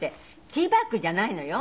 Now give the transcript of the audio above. ティーバッグじゃないのよ。